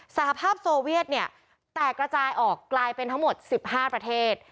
สหภาพโซเวียตเนี่ยแตกกระจายออกกลายเป็นทั้งหมด๑๕ประเทศ